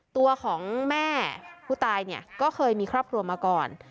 ตัวของแม่ผู้ตายเนี่ยก็เคยมีครอบครัวมาก่อน